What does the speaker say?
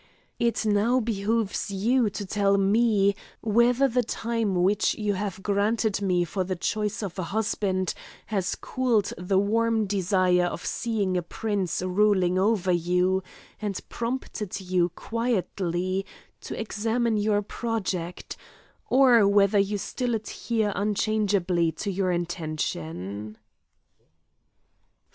It now behoves you to tell me, whether the time which you have granted me for the choice of a husband has cooled the warm desire of seeing a prince ruling over you, and prompted you quietly to examine your project, or whether you still adhere unchangeably to your intention."